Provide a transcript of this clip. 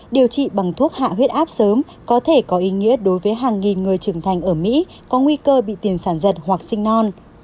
điều trị bằng thuốc hạ huyết áp sớm có thể có ý nghĩa đối với hàng nghìn người trưởng thành ở mỹ có nguy cơ bị tiền sản giật hoặc sinh non